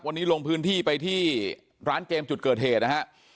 วันนี้ลงพื้นที่ไปที่ร้านเกมจุดเกิดเหตุนะฮะ